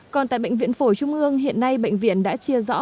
còn tại bệnh viện phổi trung ương hiện nay bệnh viện đã chia rõ